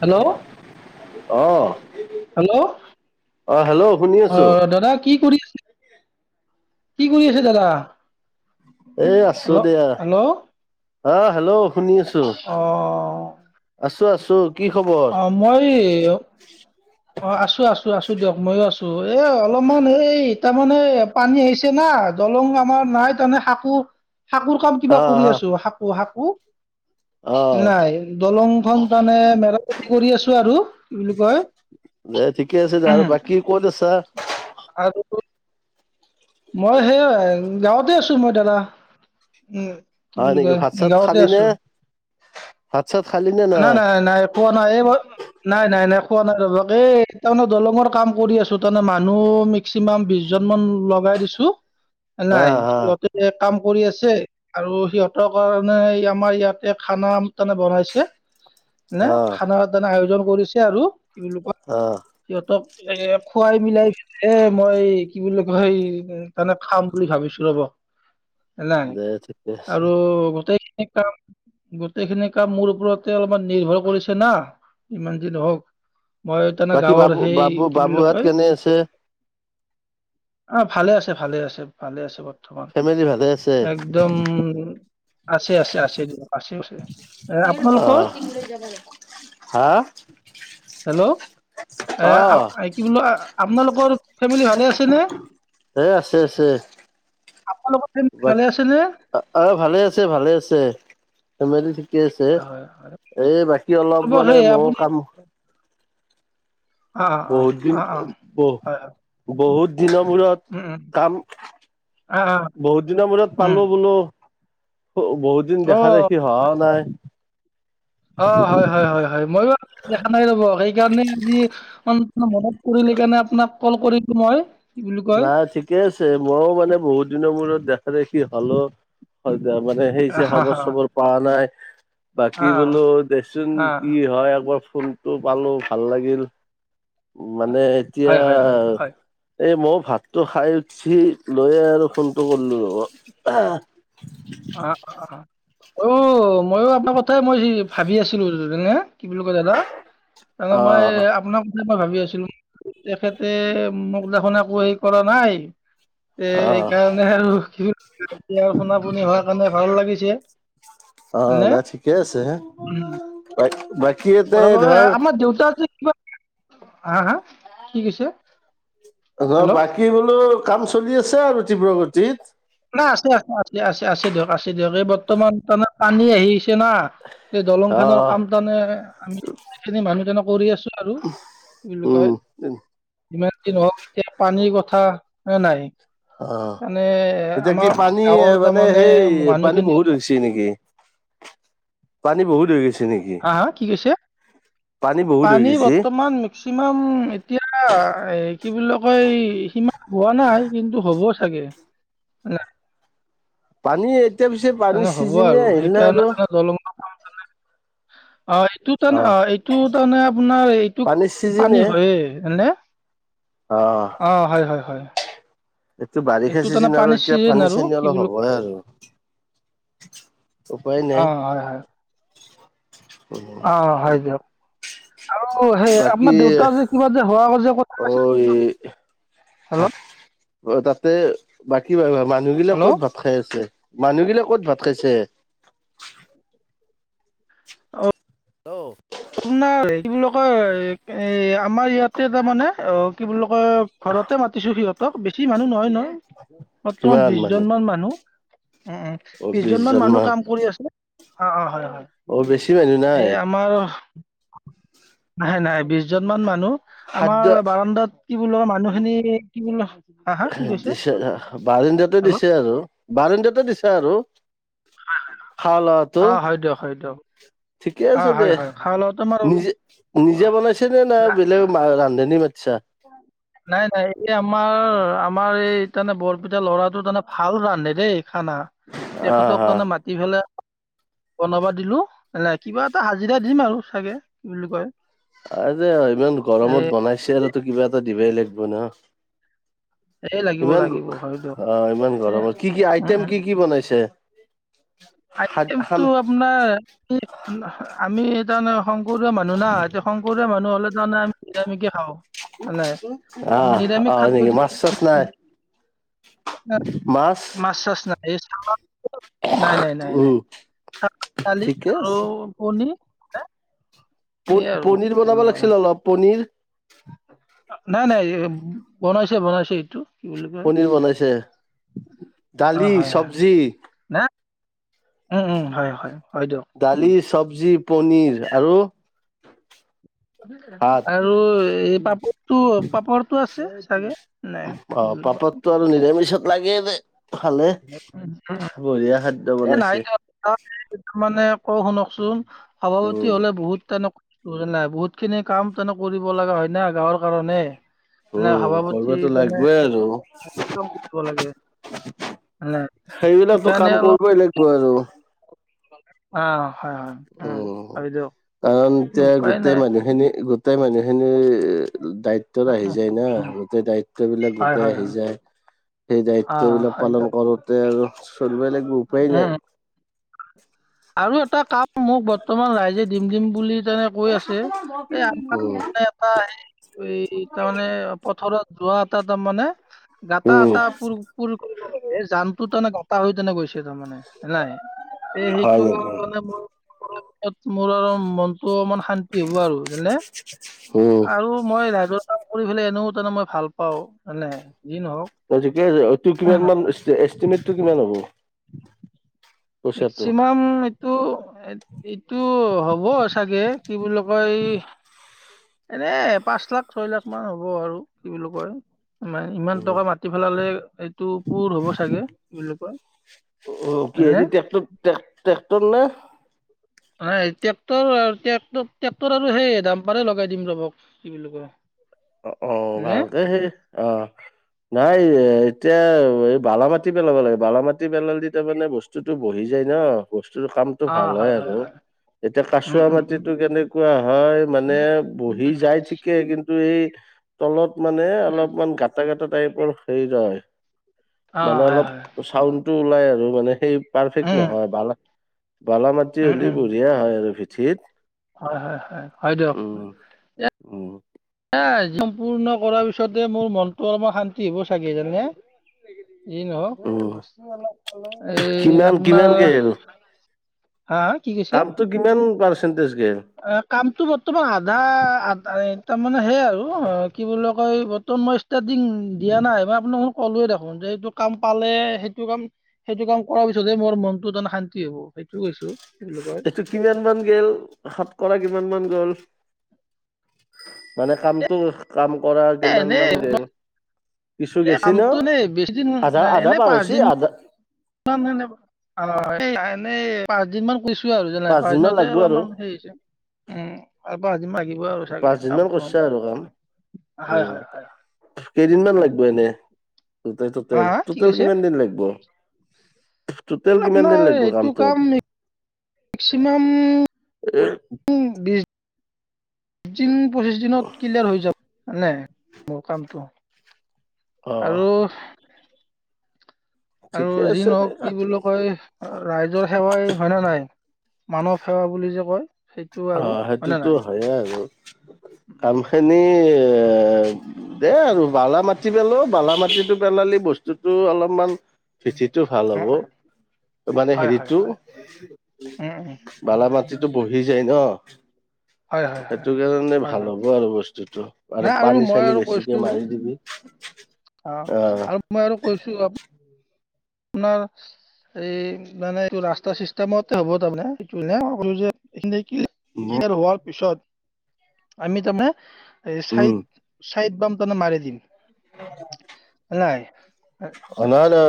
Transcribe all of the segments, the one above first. Hello অ', hello অ', hello শুনি আছো অঁ দাদা কি কৰি আছে। কি কৰি আছে দাদা। এ আছো হেল্ল' দিয়া, হেল্ল' হা হেল্ল' শুনি আছো, আছ [unintelligible] আছো। কি খবৰ অঁ, মই অঁ আছো- আছো। আছো দিয়ক, মইও আছো এ অলপমান এই তাৰমানে পানী আহিছে না, দলং আমাৰ নাই তাৰমানে শাকো শাকুৰ কাম কিবা অ', কৰি অ'। আছো, শাকো শাক [unintelligible] অ', নাই দলং সংটানে মেৰামতি কৰি আছো আৰু কি বুলি কয়। দে ঠিকে আছে দে আৰু বাকি ক'ত আছা [unintelligible] মই সেই গাঁৱতে আছো মই দাদা। উম কি হয় বুলি নেকি কয় ভাত চাত গাঁৱতে খালি আছো নে? ভাত চাত খালি নে নাই নাই-নাই খুৱা নাই এ মই, নাই নাই-নাই খোৱা নাই ৰ'ব, এই তাৰমানে দলঙৰ কাম কৰি আছো তাৰমানে মানুহ মেক্সিমাম বিশ জন মান লগাই দিছো। এ হা নাই হা সিহতে কাম কৰি আছে আৰু সিহঁতৰ কাৰণে আমাৰ ইয়াতে খানা তানা বনাইছে। নে অ', খানা তানা আয়োজন কৰিছে আৰু তেওলোকক অ', সিহঁতক। এ খুৱাই মিলাই, এ মই কি বুলি কয় সেই তমানে খাম বুলি ভাবিছো ৰ'ব। ন নাই দে ঠিকে আছে। আৰু গোটেই কাম গোটেইখিনি কাম মোৰ ওপৰত। ত অলপমান নিৰ্ভৰ কৰিছে না ইমান দিন হওক। বাকী বাবু বাবু বাবুহাত কেনে আছে। অ' ভালে আছে ভালে আছে ভালে আছে ব বৰ্তমান ফেমিলি ভালে আছে? একদম আছে আছে আছে দিয় আছে অ' আপোনালোক। অ', হা অ', [unintelligible] [unintelligible] এ আছে আছে আপোনালোকৰ ফেমিলি বাক, ভালে আছেনে অ' ভালে আছে ভালে আছে। ফেমেলি ঠিকে আছে হয় হয় এই বাকী অলপ হ'ব মানে সেই মোৰ আপুনি কাম অ অ বহুত দিন অ অ ব হয় হয় বহুত দিনৰ উম মূৰত উম কাম অ অ বহুত দিনৰ মূৰত উম পালো বোলো। বহুত দিন অ দেখা দেখি হহাও নাই অ হয় হয় হয় হয় মই দেখা নাই ৰব সেইকাৰণে আজি মনত পৰিল সেইকাৰণে আপোনাক কল কৰিলো মই কি বুলি কয় নাই ঠিকে আছে মইও মানে বহুত দিনৰ মূৰত দেখ দেখি হল হয় ত মানে সেই চ হা খবৰ হা চবৰ পোৱা নাই বাকী আহ বোলো দেচোন আহ কি হয় একবাৰ ফোনটো পালোঁ ভাল লাগিল মানে এতিয়া হয় হয় হয় হয় এই মই ভাতটো খাই উঠি লৈ আৰু ফোনটো কৰিলো ৰ অ অ অ অ মইো আপোনাৰ কথাই মই ভাবি আছিলোনে কি বুলি কয় দাদা ত মই আপোনাৰ মই ভাবি আছিলো তেখেতে মোক দেখোন একো হেৰি কৰা নাই এ অ সেই অ কাৰণে আৰু কি আৰু শোনা পনি হ ভাল লাগিছে অ নে? নাই ঠিকে আছে বা বাকী এটা ধৰ আমাৰ দেউতা যে কিবা হা-হা কি কৈছে? নহ হেল্ল' বাকী বোলো কাম চলি আছে আৰু তীব্ৰগতিত। নাই আছে-আছে-আছে-আছে-আছে দিয়ক - আছে দিয় এই বৰ্তমান তাৰমানে পানী আহিছে না। এই অ দলংখানৰ কাম মানে আমি যিখিনি মানুহজনক কৰি আছো। আৰু কি বুলি কয়, উম যিমান দিন হও যে পানীৰ কথ থা নে নাই। অহ মানে ' এতিয়া কি আমাৰ পানী গাঁৱৰ মানে, তাৰমানে সেই পানী মানুহখিনি বহুত হৈছে নেকি? পানী বহুত হৈ গৈছে নেকি হা-হা কি কৈছে? বহুত হৈ পানী গৈছে বৰ্তমান মেক্সিমাম এতিয়া এই কি বুলি কয়, সিমান হোৱা নাই, কিন্তু হ'ব চাগে না। পানী। এতিয়া পিছে পানীৰ চিজিনে আহিল ন আৰু। [unintelligible] অহ' ইটো অ তেনহ অহ এইটো তাৰমানে আপোনাৰ এইটো পানীৰ পানী চিজনে হয় এনে। অ অহ' হয়- হয়-হয়। এইটো বাৰিষা চিজন আৰু এতিয়া পানী আৰু চানী কি অলপ বুলি কয় হ'বহে আৰু। উপায় নাই অহ' হয়- হয়। [inaudible] অহ' হয় দিয়ক। আৰু সেই আপোনাৰ বাকী দেউতা যে কিবা যে হোৱা যে কথা আছিল অহ ই হেল্ল' অহ তাতে। বাকী ভাই ভাব মানুহ বিলাক হেল্ল' ক'ত ভাত খাই আছে? মানুহ গিলা ক'ত ভাত খাইছে? অ'। হেল্ল! আপোনাৰ কি বুলি কয়, এই আমাৰ ইয়াতে তাৰমানে অ' কি বুলি কয় ঘৰতে মাতিছো সিহঁত ত বেছি মানুহ নহয়, ন। বৰ্তমান বিশ জন মান মানুহ। উম', উম' অ বিশ বিশজনমান জন মানুহ মান কাম কৰি আছে। অ', অ', হয়', হয়। অ বেছি মানুহ নাই এহ আমাৰ নাই-নাই বিশ জন মান মানুহ। আমাৰ খাদ্য বাৰাণ্ডাত। কি বোলো মানুহখিনি কি বোল? দিছে বাৰণ্ডিয়াতে হেল্ল' দিছে আৰু বাৰণ্ডিয়তে দিছে। দিছে আৰু। খোৱা লোৱাটো অহ ' হয় দিয়ক - হয় দিয়ক। ঠিকে অ আছে দে হয় হয় খোৱা লোৱাটো আমাৰ নিজে - নিজে বনাইছে নে না নাই বেলেগ ৰান্ধনী মতসা। নাই' নাই এই আমাৰ আমাৰ এই তানে বৰপিটা ল'ৰাটো তানে ভাল ৰান্ধে দেই। খানা অ তেখতক হা তমানে মাতি ফেলাই বনাবা দিলো ন কিবা এটা হাজিৰা দিম আৰু চাগে কি বুলি কয়। আ যে ইমান এই গৰমত বনাইছে তো কিবা এটা ধিবাই লাগিব ন। এই লাগিব ইমান লাগিব হয় অ' ইমান গৰমৰ কি কি আইটেম কি কি বনাইছে। খা আইটেমতো খান আপোনাৰ আমি ন। শংকৰীয়া মানুহ না এতিয়া শংকৰীয়া মানুহ হ'লে জানে আমি নিৰামিষে খাওঁ মানে আহ নিৰামিষ আহ খাদ্য নেকি মাছ যি চাছ নাই মাছ চাছ নাই। অ' নাই, নাই, নাই, নাই উম দালি ঠিকে আৰু পনীৰ এয়ে আৰু পনীৰ কি বুলি বনাব কয় লাগিছিল অলপ পনীৰ [unintelligible] নাই, নাই বনাইছে -বনাইছে এইটো কি বুলি কয় পনীৰ বনাইছে অঁ দালি, হয় হয় চবজি নাই হয় হয় হয় দিয়ক উম। দালি, চবজি, পনীৰ আৰু ভাত আৰু এই [unintelligible] এইটো পাপৰটো আছে। চাগে। নাই কি অ' বুলি পাপৰতটো আৰু নিৰামিষত লাগেদে খালে কয় বঢ়িয়া খাদ্য বনাইছে। অ' শুনকচোন সভাপতি উম হলে বহুত তেনেকুৱা নাই বহুত খিনি কাম তেনে কৰিব লগা হয় না গাঁৱৰ কাৰণে এনে উম কৰিবতো সভাপতিজনে লাগিবই আৰু কৰিব লাগে। নে সেইবিলাকতো কাম কৰিবই লাগিব আৰু অ উ কাৰণ এতিয়া উপায় নাই গোটেই মানুহখিনি গোটেই মানুহখিনি দায়িত্বত আহি উম, যায় না উম, গোটেই দায়িত্ব বিলাক হয় গোটেই হয় আহি হয় যায় সেই দায়িত্ব আহ বিলাক হয় পালন দিয়ক কৰোতে আৰু [inaudible] চলব [inaudible] য় লাগে উপোপাই নাই উম আৰু এটা কাম মোক তোমাৰ ৰাইজে দিম দিম বুলি যেনে কৈ আছে এই উম, আমাৰানে এটা স এই তাৰমানে পথাৰত যোৱা ত ত মানে [inaudible] গাটা উম, আটা পুৰ পুৰ কৰিব লাগ জাম তো তেনে গটা হৈ তেনে গৈছে মানে নাই এই হয় সেইটো কাম নেকি? মানে মোৰ মোৰ আৰু মনতটো অমান শান্তি হ'ব আৰু যেনে উম। আৰু মই ৰাইৰ কাম কৰি পেলাই এনেও মানে মই ভাল পাও ন নে তোৰ কিমান মান এিমেট টো কিমান হ'ব [inaudible] পইচাটো? মেক্সিমাম তো [inaudible] এইটো হ'ব চাগে কি বুলি কয় এনে পাঁচ লাখ ছয় লাখ মান হ'ব আৰু কি বুলি কয় [inaudible] মানে ইমান উম, টকা মাতি পেলালে এইটো পুৰ হ'ব চাগে কি বুলি কয় নে টে ট্ৰেক্টৰ নে [inaudible] ট্ৰেক্টৰ ট্ৰেক্টৰ আৰু সেই দাম্পাৰে লগাই দিম ৰবক কি বুলি কয় অ অ এনে ভালকে সেই অ নাই এতিয়া এই বালা মাটি পেলাব লাগে বালা মাটি পেলালে তাৰ মানে বস্তুতটো বহি যায় ন বস্তু কামতটো ভাল হয় আৰু এতিয়া উম কাচুৱা উম উম মাটিতো কেনেকুৱা হয় মানে বহি উম যাই উম ঠিকে কিন্তু এই তলত মানে উম অলপমান গাটা গটা তাইপ সেই যায় অ মানে হয় অলপ হয় চাউণ্ড টো ওলাই আৰু মানে সেই পাৰফেক্ট উম নহয় ভাল বালা মাটি উম হ'লে উম বঢ়িয়া হয় আৰু ভিত ত [unintelligible] হয়- হয়- হয় -হয় দিয়ক উম। সম্পূৰ্ণ কৰাৰ পিছতে মোৰ মনটো অলপ শান্তি হব চাগে জানে। এই উম নহও বস্তু অলপ এই কিমান কিমান আপোনাৰ। গেল হা হা কি কৈছে কামটো কিমান পাৰ্চেণ্টেজ কে। আহ, কামটো বৰ্তমান আধা আধা। তাৰমানানে সেইয় আৰু অ কি বুলি কয় বৰ্তমান মই ষ্টাৰ্টিং দিয়া নাই মই আপোনাক ক'লোৱে দেখোন যে এইটো কাম পালে সেইটো কাম সেইটো কাম কৰাৰ পিছতে মোৰ মনটো তাৰমানে শান্তি হব সেইটো কৈছো। এইটো কিমান মান গ'ল শতকৰা কিমান মান গ'ল মানে কামটো। কাম কৰা এ কিমান এনেই মান গৰ। কিছু এই গেছে নো কামটো এনেই বেছিদিন আধা আধা এনেই পাৰ হৈছি পাঁচদিনমান আধা [unintelligible] এনে পাঁচ দিন মান কৈছোঁ আৰু যেনে পাঁচ দিন মান পাৰদিনতে লাগব আৰু অলপমান হেৰি হৈছে উম [unintelligible] আৰু চাগে পাঁচ দিন মান কামটো কৰিছো সম্পূৰ্ণ আৰু কৰোঁ। কাম হয় হয় হয় উম কেইদিনমান উম। লাগিব এনে গট হা হা কি টেল টেল কৈছে কিমান দিন লাগিব। আপোনাৰ এইটো কামটোত কাম মেক্সিমাম? বিশ দিন পঁচিশ দিনত ক্লিয়াৰ হৈ যাব নে মোৰ কামটো। অ আৰু আৰু ঠিকে যি আছে দে নহওক কি বুলি কয় ৰাইজৰ সেৱাই হয় ন নাই মানৱ সেৱা বুলি যে কয়। সেইটো আৰু অ' হয়নে সেইটোতো নাই হয়ে আৰু। উম, কামখিনি। এ দেই আৰু বালা মাটি পেলো বালা মাটিটো পেলালি বস্তুটো অলপমান। চিঠিটো ভাল হ'ব অ', মানে হয় হয় হেৰিটো হয় উম উম বাল মাটিত। টো বহি [unintelligible] হয় হয় হয় সেইটো কাৰণে হয় ভাল হয় হ'ব আৰু বস্তুটো আৰু নাই পানী মই চানী আৰু বেছিকে কৈছো মাৰি দিবি অ আহ। আৰু মই আৰু কৈছো আপোনাৰ এই মানে এইটো ৰাস্তা চিষ্টেমতে হ'ব তাৰমানে সটো সকলো যে হোৱাৰ পিছত আমি তাতে এই চাইড। চাইড বাম তনে মাৰি দিম অ' নাই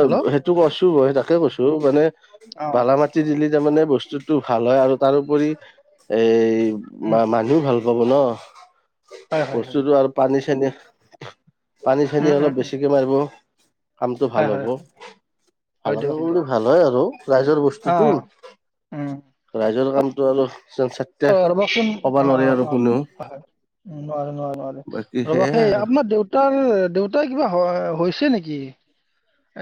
হেল্ল' তো কৈছো মই তাকে কৈছো মানে অ বালা মাটি দিলি তাৰ মানে বস্তুতটো ভাল হয় আৰু তাৰউপৰি এ উম মানুহ মানুহ ভাল পা লব ন। হয় হয় হয় বস্তুটো আৰু পানী চানী [inaudible] পানী চানী উম উম অলপ উম বেছিকে মাৰিব [unintelligible] কামটো ভাল হয় হ'ব। হয় হয় ভালকে দিয়ক হয় কৰিলে দিয়ক ভাল হয় আৰু ৰাইজৰ অ বস্তুটো, ৰাইজৰ কাম আৰু চাট্টা ৰবচোন কবা অ', নোৱাৰে আৰু অ', কোনেও অ' হয় উ নোৱাৰে নোৱাৰে বাকী নোৱাৰে ৰব সেয়াই সেই আৰু আপোনাৰ দেউতাৰ দেউতা [unintelligible] কিবা হৈছে নেকি?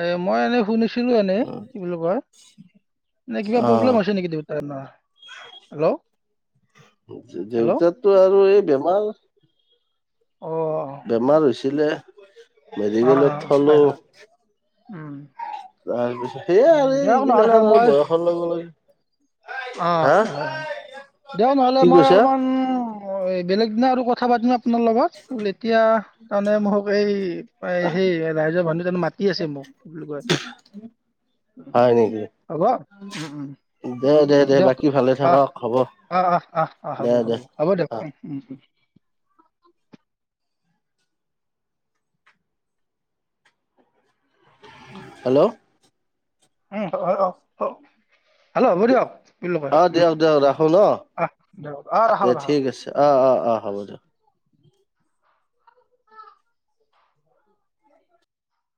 এ মই এনে শুনিছো। এনে কি বুলি ক এ কিবা অ' প্ৰব্লেম আছে নেকি দেউতাৰ হেল্ল'। হেল্ল' অ দেউতাৰটো আৰু এই বেমাৰ। অ বেমাৰ হৈছিলে। অ মেডিকেলত হয় থলো। হয় উম। তাৰ পিছত সেইয়া উম আৰু এই দিয়ক নহ'লে এইগিলাখন আৰু মই বয়সৰ লগে লগে অ' হা হয় হয় দিয়ক নহ'লে কি মই কৈছা অলপমান। অ এই বেলেগ দিনা আৰু কথা পাতিম আপোনাৰ লগতল এতিয়া তাৰমানে মোক এই সেই ৰাইজৰ ভানটো ত মাতি আছে মোক কি বুলি কয় উ হয় নেকি হ'ব উম উম দে দে দে দিয়ক বাকী ভালে আহ থাকক হ'ব আহ আহ আহ আহ হ'ব দে দে। হ'ব হ'ব দিয়ক উ অ' উম উম হেল্ল' উম হেল্ল' হ'ব দিয়ক কি বুলি কয় অ দিয়ক দিয়ক ৰাহুল অ অঁ দিয়ক অঁ ৰাখক দে ৰাখক ঠিক আছে অ অ অ হ'ব দিয়ক